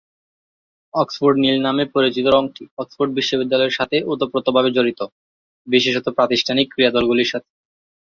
Oxford নীল নামে পরিচিত রঙটি অক্সফোর্ড বিশ্ববিদ্যালয়ের সাথে ওতপ্রোতভাবে জড়িত, বিশেষত প্রাতিষ্ঠানিক ক্রীড়া দলগুলির সাথে।